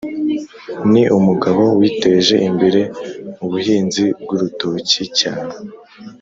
ni umugabo witeje imbere m’ubuhinzi bw’urutoki cyane